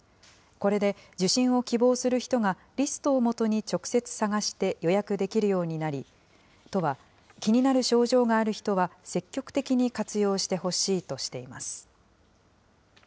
これで受診を希望する人が、リストをもとに直接探して予約できるようになり、都は、気になる症状がある人は積極的に活用してほしいとしています。